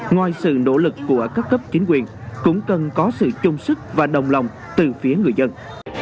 ngoài sự nỗ lực của các cấp chính quyền cũng cần có sự chung sức và đồng lòng từ phía người dân